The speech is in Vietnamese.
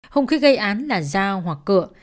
hùng khí gây án là dao hoặc cựa